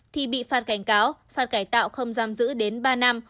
thì bị phạt cảnh cáo phạt cải tạo không giam giữ đến ba năm